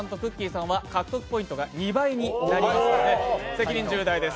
さんは獲得ポイントが２倍になりますので責任重大です。